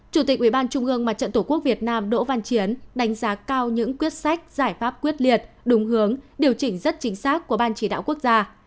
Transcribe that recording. chủ tịch ubnd mà trận tổ quốc việt nam đỗ văn chiến đánh giá cao những quyết sách giải pháp quyết liệt đúng hướng điều chỉnh rất chính xác của ban chỉ đạo quốc gia